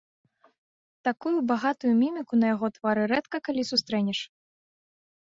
Такую багатую міміку на яго твары рэдка калі сустрэнеш.